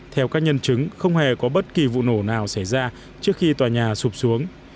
theo các nhân chứng không hề có bất kỳ vụ nổ nào xảy ra trước khi tòa nhà sụp xuống